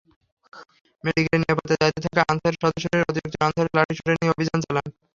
মেডিকেলের নিরাপত্তার দায়িত্বে থাকা আনসার সদস্যরাসহ অতিরিক্ত আনসার লাঠিসোঁটা নিয়ে অভিযান চালান।